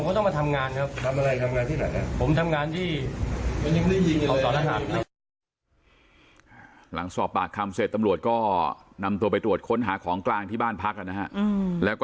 เขาต้องมาทำงานครับทำอะไรทำงานที่ไหนครับ